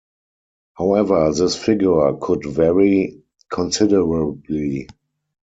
However, this figure could vary considerably.